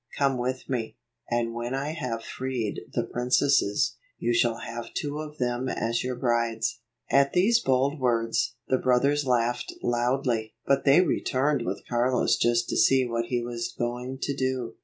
Come with me, and when I have freed the princesses, you shall have two of them as your brides." At these bold words, the brothers laughed loudly, but they returned with Carlos just to see what he was going to do.